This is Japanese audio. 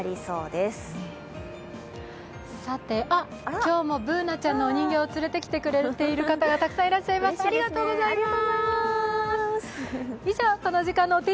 今日もＢｏｏｎａちゃんの人形を連れてきてくださっている方がたくさんいらっしゃいますね、ありがとうございます。